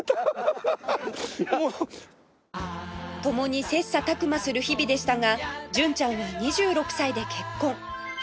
共に切磋琢磨する日々でしたが純ちゃんは２６歳で結婚